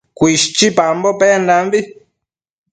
Cuishchipambo pendambi